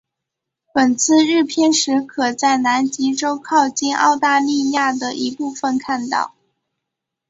本次日偏食可在南极洲靠近澳大利亚的一部分看到。